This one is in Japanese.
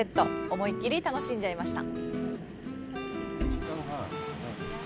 思いっ切り楽しんじゃいました。